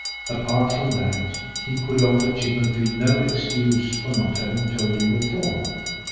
Apart from that, he could offer Chippenfield no excuse for not having told him before.